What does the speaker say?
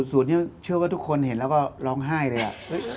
สูตรนี้เชื่อว่าทุกคนเห็นแล้วก็ร้องไห้เลยอะ